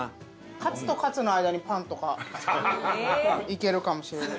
カツとカツの間にパンとかいけるかもしれない。